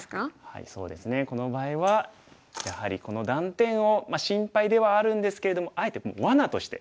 そうですねこの場合はやはりこの断点をまあ心配ではあるんですけれどもあえてもうわなとして。